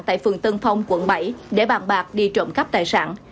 tại phường tân phong quận bảy để bàn bạc đi trộm cắp tài sản